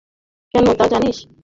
কেন তা জানিস?